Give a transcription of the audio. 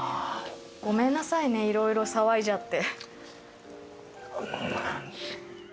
ごめんなさいね、いろいろ騒いじゃって。